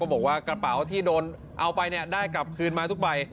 บอกว่ากระเป๋าที่โดนเอาไปได้กลับคืนมาทุกใบ